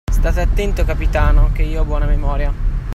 State attento, capitano, che io ho buona memoria!